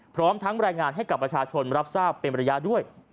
พร้อมทั้งรายงานให้กับประชาชนรับทราบเป็นระยะด้วย